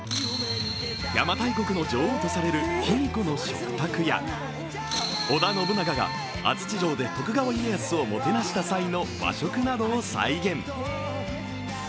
邪馬台国の女王とされる卑弥呼の食卓や、織田信長が安土城で徳川家康をもてなした際の和食などを再現。